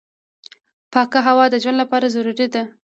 پاکه هوا د ژوند لپاره ضروري ده.